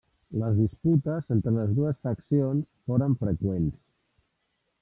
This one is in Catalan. Les disputes entre les dues faccions foren freqüents.